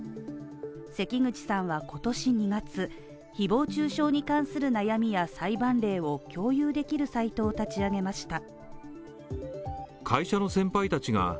関口さんは今年２月、誹謗中傷に関する悩みや裁判例を共有できるサイトを立ち上げました。